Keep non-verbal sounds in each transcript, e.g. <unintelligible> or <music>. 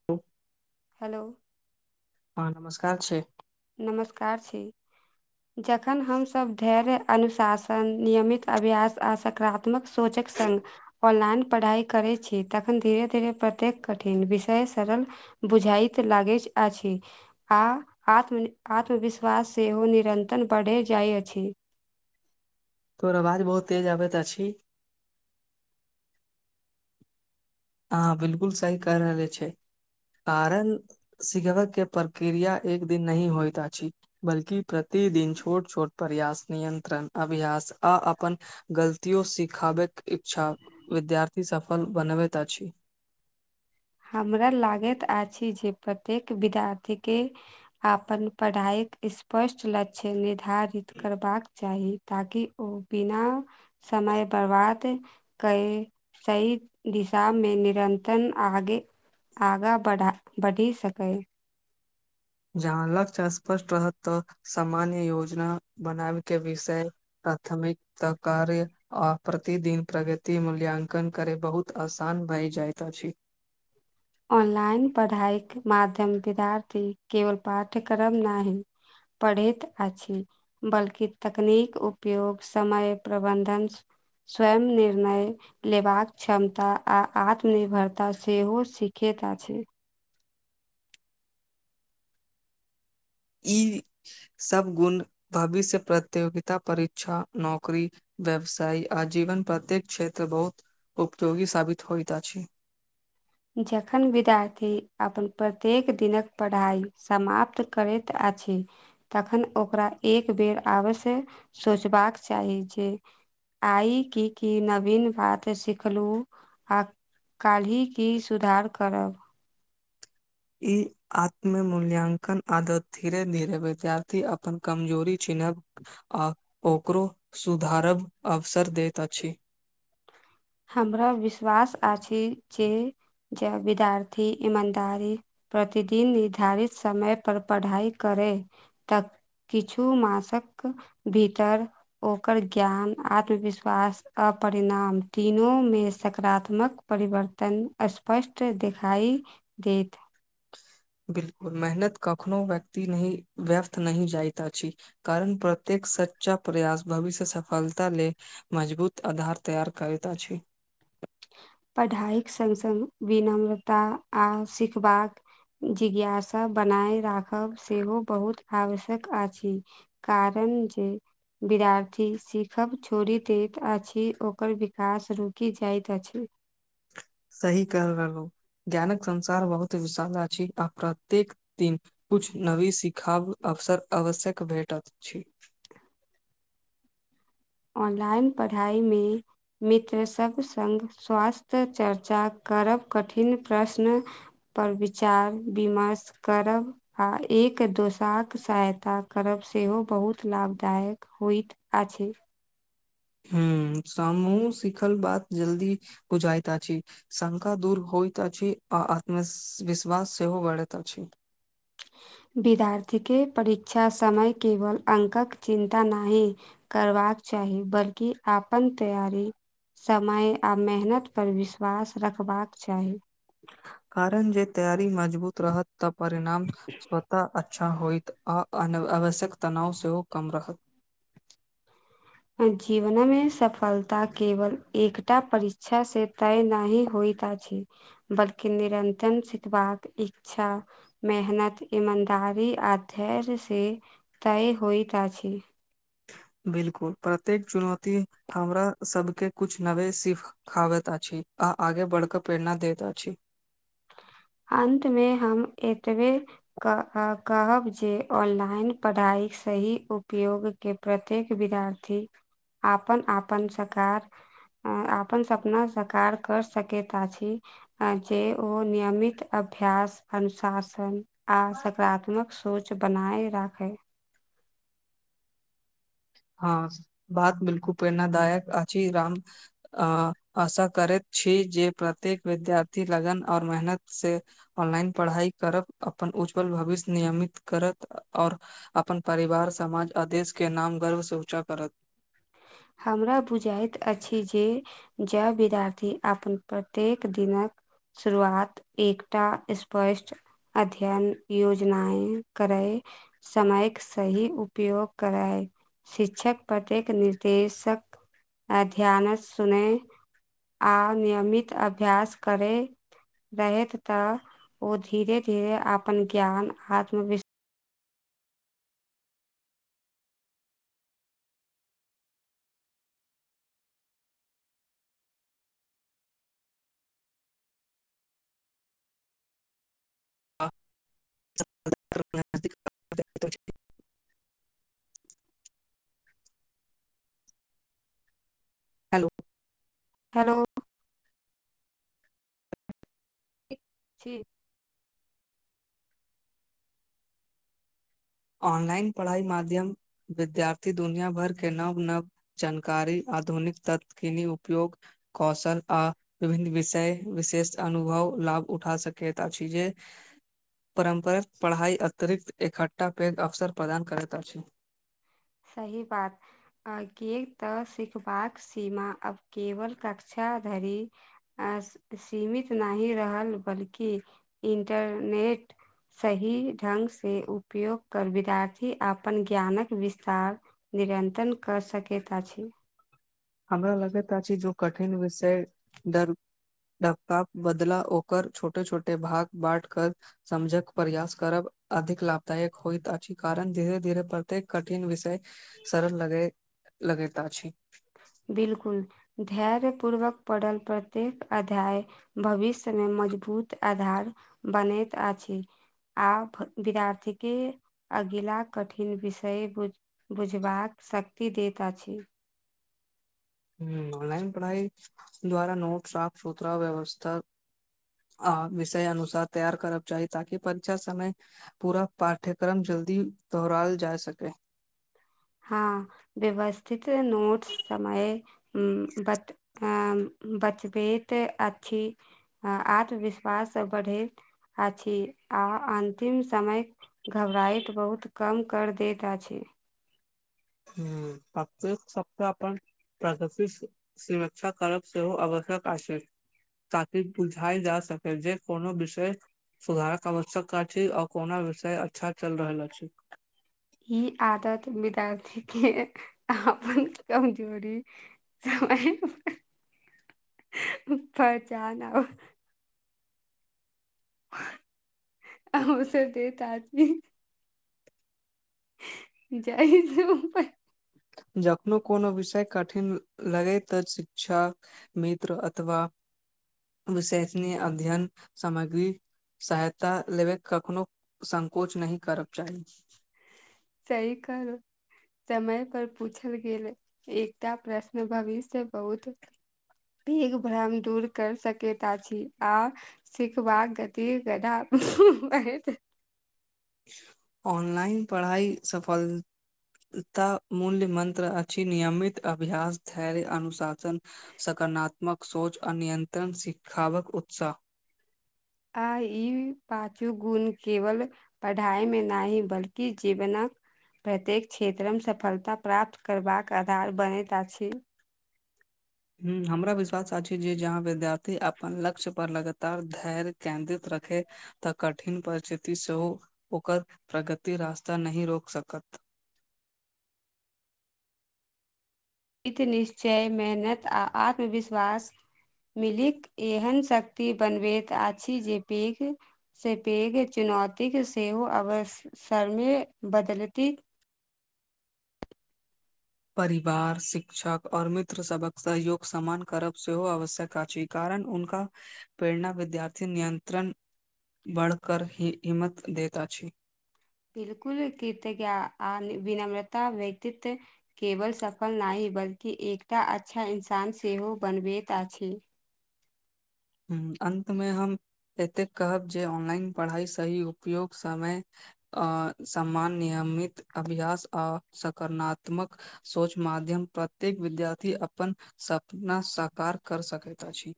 त <inaudible> हलो हँ नमस्कार छै नमस्कार छी जखन हमसभ धैर्य अनुशासन नियमित अभ्यास आ सकारात्मक सोच एक संगङ्ग ऑनलाइन पढ़ाइ करै छी तखन धीरे धीरे प्रत्येक कठिन विषय सरल बुझाइत लागे आछि आ आत्म आत्मविश्वास सेहो निरन्तरण बढ़े जाइ अछि तोहर आवाज बहुत तेज आबैत अ हँ बिलकुल सही कह रहले छै कारण सिखबयके प्रक्रिया एक दिन नहि होइत अछि बल्कि प्रत्ये प्रतिदिन छोट छोट प्रयास नियंत्रण अभ्यास आ अपन गलतियो सिखाबैत इच्छा विद्यार्थी सफल बनबैत अछि हमरा लागैत आछि जे प्रत्येक विद्यार्थी के आपन पढ़ाई इस्पष्ट लक्ष्य लेत निर्धारित करबाक चाही ताकि ओ बिना समय बर्बाद कै सही दिशा मे निरंतरण आगे आगाँ बढ़ा बढ़ी सकै जहाँ लक्ष्य स्पष्ट रहत तऽ सामान्य योजना बनाबेके विषय प्राथमिकता कार्य आ प्रतिदिन प्रगति मूल्यांकन करे बहुत आसान भइ जाइत अछी ऑनलाइन पढ़ाइके माध्यम विद्यार्थी केवल पाठ्यक्रम नाहि पढ़ैत अछि बल्कि तकनीक उपयोग समय प्रबन्धन स्वयं निर्णय लेबाक क्षमता आ आत्मनिर्भरता सेहो सी खेत अछै ई सब गुण भविष्य प्रतियोगिता परीक्षा नौकरी व्यवसाय आ जीवन प्रत्येक क्षेत्र बहुत उपयोगी साबित होइत अछि जखन विद्यार्थी अपन प्रत्येक दिनक पढ़ाई समाप्त करैत अछि तखन ओकरा एक बेर आवश्य सोचबाक चाही जे आइ की की नवीन बात सिखलु आ काल्हि की सुधार करब ई आत्म मूल्याङ्कन आदत धीरे धीरे विद्यार्थी अपन कमजोरी छै आ ओकरो सुधारब अवसर दैत अछि <inaudible> हमरा विश्वास आछि जे जब विद्यार्थी ईमानदारी प्रतिदिन निर्धारित समय पर पढ़ाई करै तब किछु मासक भीतर ओकर ज्ञान आत्मविश्वास अप परिणाम तीनूमे सकारात्मक परिवर्तन स्पष्ट देखाइ देत <inaudible> बिलकुल मेहनत कखनो व्यक्ति नहि व्यर्थ नहि जाइत अछि कारण प्रत्येक सच्चा प्रयास भविष्य सफलता ले मजबूत आधार तैयार करैत अछि <inaudible> पढ़ाइक संग संग विनम्रता आ सिखबाक जिज्ञासा बनाय राखब सेहो बहुत आवश्यक आछि कारन जे विद्यार्थी सीखब छोड़ि देत अछि ओकर विकास रुकि जाइत त अछि <inaudible> सही कह रहलु ज्ञानक संसार बहुत विशाल अछि आ प्रत्येक दिन कुछ नवी सिखाब अवसर आवश्यक भेटत अछि ऑनलाइन पढ़ाइ मे मित्र सभ संग स्वास्थ्य चर्चा करब कठिन प्रश्न पर विचार विमर्श करब आ एक एक दोसाक सहायता करब सेहो बहुत लाभदायक होइत अछि हूँ समूह सिखल बात जल्दी बुझायत अछि शंका दूर होइत अछि आ आत्मविश्वास सेहो बढ़ैत अछि विद्यार्थी के परीक्षा समय केवल अंकक चिन्ता नाहि करबाक चा चाही बल्कि आपन तैयारी समय आ मेहनत पर विश्वास रखबाक चाही कारण जे तैयारी मजबूत रहत तऽ परिणाम स्वतः अ छा होइत आ अनआवश्यक तनाव सेहो कम रहत जीवनमे सफलता केवल एकटा परीक्षा से तय नहि होइ त अछि बल्कि निरंतण सितबाक इच्छा मेहनत ईमन कारी आ धैर्य से तय होइत अछि <inaudible> बिल्कुल प्रत्येक चुनौती हमरा सबके कुछ नवे सिखावत अछि आ आगे बढ़ कऽ प्रेरणा दैत अछि अन्तमे हम एतबे कह कहब जे ऑनलाइन पढ़ाइ सही उपयोग के प्रत्येक विदार्थी आपन आपन सकार आपन सपना सकार कर सकैत अछि जे ओ नियमित अभ्यास अनुशासन आ सकरात्मक सोच बनाय राखै हँ बात बिल्कु प्रेरणादायक अछि राम अ आशा करैत छी जे प्रत्येक विद्यार्थी लगन और मेहनत से ऑनलाइन पढ़ाई करब अपन उज्जवल भविष्य नियमित करत आओर अपन परिवार समाज आ देश के नाम गर्व सँ ऊंचा करत हमरा बुजाइत अछि जे जब विद्यार्थी आपन प्रत्येक दिनक शुरुआत एकटा स्पष्ट अध्यन योजनाऐं करै समयक सही उपयोग करै शिक्षक प्रत्येक निर्देशक अध्यान सुनेै आ नियमित अभ्यास करेै रहैत तऽ ओ धीरे धीरे आपन ज्ञान आत्मविश् <inaudible> हेलो हैलो छी ऑनलाइन पढ़ाई माध्यम विद्यार्थी दुनिया भर के नव नव चनकारी आ आधुनिक ततकिन उपयोग कौशल आ विभिन्न विषय विशेष अनुभव लाभ उठा सकैत आछि जे परम्पर पढ़ाई अतरिक्त एखठ टा पेग अवसर प्रदान करैत अछि सही बात आगे त सिखबाक सीमा अब केवल कक्षा क्षा धरि सीमित नहि रहल बल्कि इंटरने नेट सही ढंग से उपयोग कर विदार्थी आपन ज्ञानक विस् तार नरंतण क सकैत अछि हमरा लगैत अछि जो कठिन विषय दर डककाप बदला ओकर छोटे छोटे भाग बाट कर समझक प्रयास करब अधिक लाभदायक होइत अछि कारण धीरे धीरे प्रत्येक कठिन विषय सरल लगैत अछि बिल्कुल धैर्य पूर्वक पड़ल प्रत्येक अध्याय भविष्यमे म मजबूत आधार बनैत आछि आ विदार्थीक के अगिला कठिन विषय बुझबाक शक्ति दैत आछि ह्म ऑनलाइन पढ़ाई द्वारा नोट साफ सुथरा व्यवस्था आ विषय अनुसार तैयार करब चाही ताकि परीक्षा समय पूरा पाठ्यक्रम ज जल्दी दोहराए जा सकै हँ व्यवस्थित नोट्स समय बत बचबैत अछि आत्मविश्वास बढ़ैत अछि आ अन्तिम समय घबराहट बहुत कम कर दैत अछि ह फक्त फक्त अपन <unintelligible> प्रगति सुरक्षा करब सेहो आवश्यक अछि ताकि बुझाय जा सके जे कोनो विषय सुधारक आवश्यकता अछि आओ कोना विषय अच्छा चलि रहल अछि ई आदत विद्यार्थी के अपन कमजोरी ओ <unintelligible> <inaudible> परचान आउ <unintelligible> आ ओ सब देत आदमी जाइ छै पर जखननो कोनो विषय कठिन लगैत शिक्षा मित्र अथवा विशेषी अध्ययन सामग्री सहायता लेबय कखनोहु संकोच नहि करक चाही सही कर <unintelligible> समय पर पूछल गेल एकटा प्रश्न भविष्य बहुत पघ भ्रम दूर कर सकता छी आ सिखबाक गति गदा त <unintelligible> ऑनलाइन पढ़ाई सफल तऽ मूल्य मन्त्र अछि नियमित अभ्यास धैर्य अनुशासन सक गनात्मक सोच आ नियंत्रण सिखावक उत्साह आ ई पाचू गुण केवल पढ़ाइमे नहि बल्कि जीवनक प्रत्येक क्षेत्रमे सफलता प्राप्त करबाक आधार बनैत अछि ह हमरा विश्वास अछि जे जहाँ विद्यार्थी अपन लक्ष्य पर लगातार धैर्य केन्द्रित रह देखे तऽ कठिन परिस्थिति सेहो ओकर प्रगति रास्ता नहि रोक सकत <inaudible> हित निश्चय मेहनत आ आत्मविश्वास मिलिक एहन शक्ति बनबैत अछि जे पैघ सँ पैघ चुनाव तिक सेहो अवसरमे बदलती परिवार शिक्षक आओर मित्र सभक सहयोग समान करब सेहो आवश्यक अछि उनक प्रेरणा विद्यार्थी नियंत्रण बढ़कर ही इम्मत देता छी <unintelligible> बिलकुल कीर्तजञ आ विनम्रता व्यतीत केवल सफल नहि <unintelligible> बल्कि एकटा अच्छा इन्सान सेहो बनबैत अछि ह अन्तमे हम एतेक कहब जे ऑनलाइन पढ़ाइ सही उपयोग समय अ समान नियमित अभ्यास आ सकारात्मक सोच मार प्रत्येक विद्यार्थी अपन सपना सकार कर सकैत अछि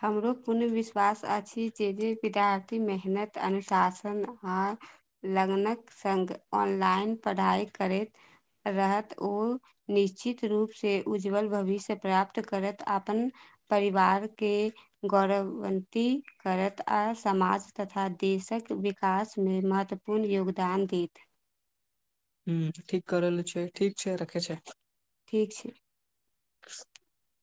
हमरो पूर्ण विश्वास अछि जे जे विद्यार्थी मेहनत अनुशासन आ लगनक संग ऑनलाइन पढ़ाइ करैत रहत ओ निश्चित रूप से उज्ज्वल भविष्य प्राप्त करत अपन परिवार के गौरवन्न्दित करत आ समाज तथा देशक विकास मे महत्वपूर्ण योगदान देत ह ठीक करैल छै ठीक छै रखे छै ठीक छै <inaudible>